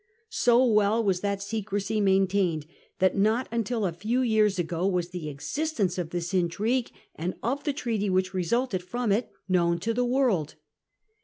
So well was that secrecy maintained that not until a few years ago was the existence of this intrigue and of the treaty which resulted from it known to the world.